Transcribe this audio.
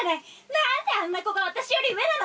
何であんな子が私より上なの！